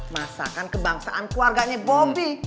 masakan kebangsaan keluarganya bobi